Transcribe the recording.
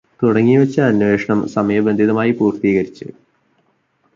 തുടങ്ങിവച്ച അന്വേഷണം സമയബന്ധിതമായി പൂര്ത്തീകരിച്ച്